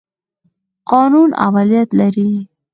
قانون اولیت لري.